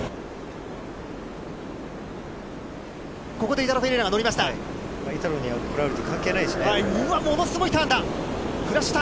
ここでイタロ・フェレイラが乗りました。